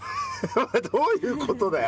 どういうことだよ。